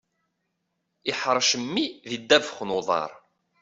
Iḥrec mmi di ddabex n uḍar.